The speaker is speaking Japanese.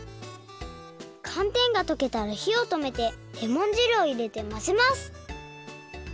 かんてんがとけたらひをとめてレモンじるをいれてまぜます